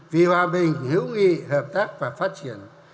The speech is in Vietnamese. vì hòa bình hữu nghị hợp tác và phát triển